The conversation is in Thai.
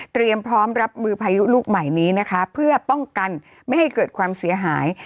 พร้อมรับมือพายุลูกใหม่นี้นะคะเพื่อป้องกันไม่ให้เกิดความเสียหาย